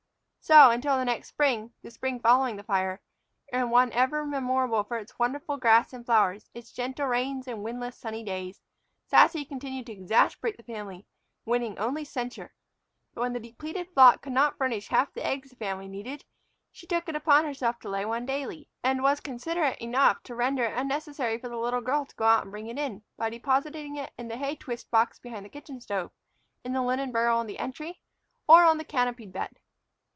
So, until the next spring, the spring following the fire, and one ever memorable for its wonderful grass and flowers, its gentle rains and windless, sunny days, Sassy continued to exasperate the family, winning only censure. But when the depleted flock could not furnish half the eggs the family needed, she took it upon herself to lay one daily, and was considerate ate enough to render it unnecessary for the little girl to go out and bring it in, by depositing it in the hay twist box behind the kitchen stove, in the linen barrel in the entry, or on the canopied bed.